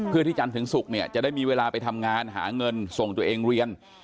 เพื่อที่จันทร์ถึงศุกร์เนี่ยจะได้มีเวลาไปทำงานหาเงินส่งตัวเองเรียน